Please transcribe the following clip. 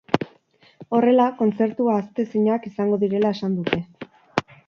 Horrela, kontzertu ahaztezinak izango direla esan dute.